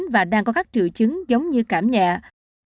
và đang có các triệu chứng giống như cảm nhẹ